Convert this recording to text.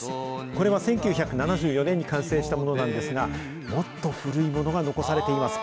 これは１９７４年に完成したものなんですが、もっと古いものが残されています。